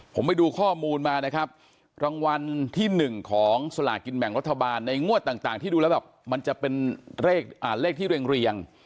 ผมไปดูข้อมูลมานะครับรางวัลที่๑ของสลากินแบ่งรัฐบาลในงวดต่างที่ดูแล้วแบบมันจะเป็นเลขที่เรียง